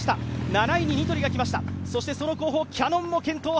７位にニトリがきました、その後方、キヤノンも健闘。